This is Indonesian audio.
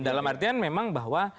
dalam artian memang bahwa